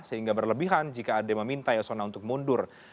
sehingga berlebihan jika ada yang meminta yasona untuk mundur